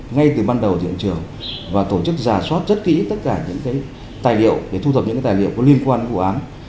ngay từ ban đầu hiện trường và tổ chức giả soát rất kỹ tất cả những tài liệu để thu thập những tài liệu có liên quan vụ án